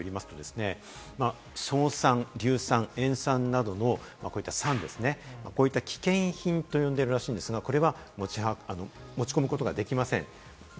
ＪＲ東日本の旅客営業規則によりますとですね、硝酸、硫酸、塩酸などの酸ですね、こういった危険品と呼んでいるらしいんですが、これは持ち込むことができません。